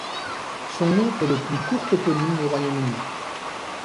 Son nom est le plus court toponyme du Royaume-Uni.